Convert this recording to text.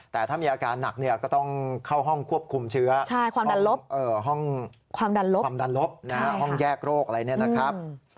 แต่ถ้ามีอาการหนักเนี่ยก็ต้องเข้าห้องควบคุมเชื้อห้องดันลบห้องแยกโรคอะไรเนี่ยนะครับ